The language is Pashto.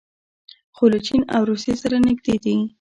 خو له چین او روسیې سره نږدې دي.